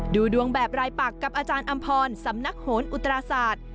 ดูดวงแบบรายปักกับอาจารย์อำพรสำนักโหนอุตราศาสตร์